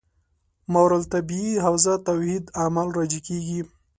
ماورا الطبیعي حوزه توحید اعمال راجع کېږي.